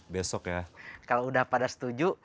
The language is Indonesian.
besok ya kalau udah pada setuju